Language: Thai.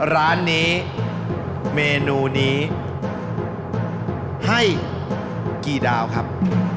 ร้านนี้เมนูนี้ให้กี่ดาวครับ